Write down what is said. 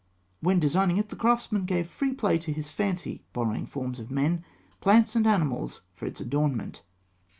When designing it, the craftsman gave free play to his fancy, borrowing forms of men, plants, and animals for its adornment.